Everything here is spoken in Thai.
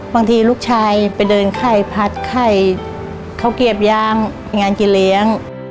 บางทีลูกชายไปเดินไข่ผัดไข่เขาเก็บยางงานกินเลี้ยง